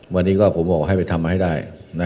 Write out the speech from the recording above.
วันนี้ผมก็บอกว่าให้ไปทำให้ได้